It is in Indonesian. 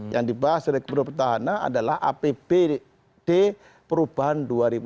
yang dibahas oleh gubernur petahana adalah apbd perubahan dua ribu enam belas